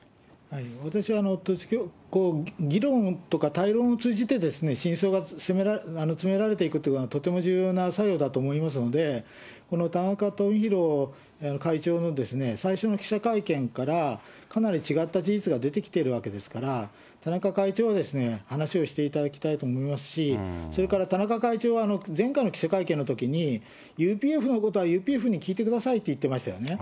私は議論とか対論を通じて、真相が詰められていくというのはとても重要な作業だと思いますので、この田中富広会長の最初の記者会見から、かなり違った事実が出てきているわけですから、田中会長は話をしていただきたいと思いますし、それから田中会長は前回の記者会見のときに、ＵＰＦのことはＵＰＦに聞いてくださいって言ってましたよね。